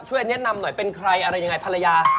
แนะนำหน่อยเป็นใครอะไรยังไงภรรยา